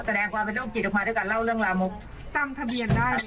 แสดงความเป็นโรคจิตออกมาด้วยการเล่าเรื่องลามกจำทะเบียนได้